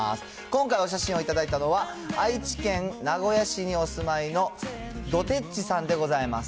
今回、お写真を頂いたのは、愛知県名古屋市にお住まいのどてっちさんでございます。